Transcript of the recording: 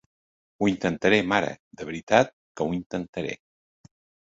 Ho intentaré, mare; de veritat que ho intentaré.